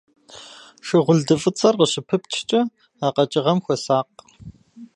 Шыгъулды фӀыцӀэр къыщыпыпчкӀэ а къэкӀыгъэм хуэсакъ.